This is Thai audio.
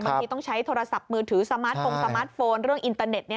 บางทีต้องใช้โทรศัพท์มือถือสมาร์ทโฟงสมาร์ทโฟนเรื่องอินเตอร์เน็ต